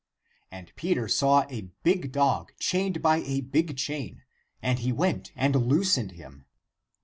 And Peter saw a big dog, chained by a big chain, and he went and loos ened him.